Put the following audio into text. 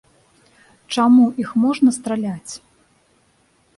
Чаму іх можна страляць?